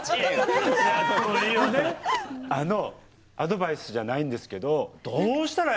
あの、アドバイスじゃないんですけど、どうしたら？